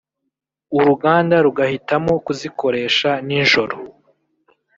uruganda rugahitamo kuzikoresha nijoro